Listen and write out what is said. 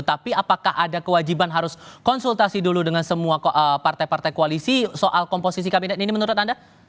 tapi apakah ada kewajiban harus konsultasi dulu dengan semua partai partai koalisi soal komposisi kabinet ini menurut anda